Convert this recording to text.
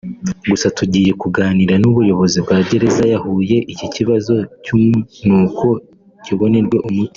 Gusa tugiye kuganira n’ubuyobozi bwa Gereza ya Huye iki kibazo cy’umunuko kibonerwe umuti”